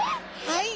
はい。